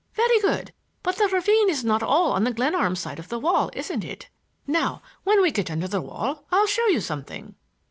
"Very good; but the ravine is all on the Glenarm side of the wall, isn't it? Now when we get under the wall I'll show you something."